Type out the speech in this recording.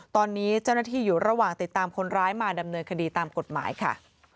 ตอนนี้เจ้าหน้าที่อยู่ระหว่างติดตามคนร้ายมาดำเนินคดีตามกฎหมายค่ะ